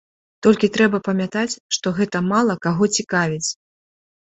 Толькі трэба памятаць, што гэта мала каго цікавіць.